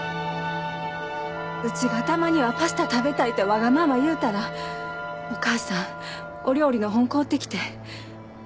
うちがたまにはパスタ食べたいってわがまま言うたらお母さんお料理の本買うてきて何や一生懸命作ってくれはった。